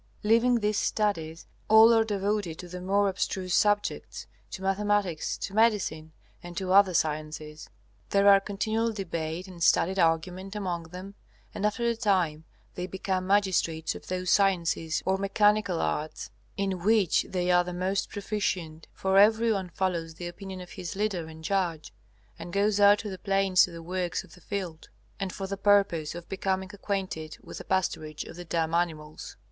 Leaving these studies all are devoted to the more abstruse subjects, to mathematics, to medicine, and to other sciences. There are continual debate and studied argument among them, and after a time they become magistrates of those sciences or mechanical arts in which they are the most proficient; for everyone follows the opinion of his leader and judge, and goes out to the plains to the works of the field, and for the purpose of becoming acquainted with the pasturage of the dumb animals.